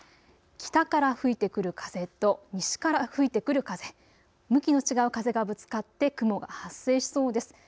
北から吹いてくる風と西から吹いてくる風、向きの違う風がぶつかって雲が発生しそうです。